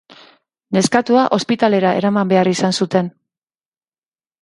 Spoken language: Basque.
Neskatoa ospitalera eraman behar izan zuten.